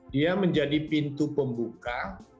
dia menjadi pintu pembuka